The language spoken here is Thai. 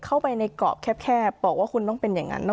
เพราะฉะนั้นทำไมถึงต้องทำภาพจำในโรงเรียนให้เหมือนกัน